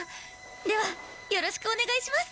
ではよろしくお願いします。